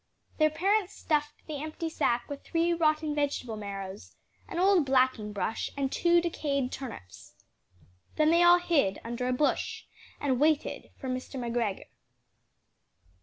Their parents stuffed the empty sack with three rotten vegetable marrows, an old blacking brush and two decayed turnips. Then they all hid under a bush and watched for Mr. McGregor.